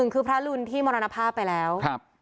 คือพระรุนที่มรณภาพไปแล้ว